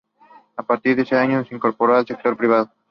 A partir de ese año se incorporó al sector privado.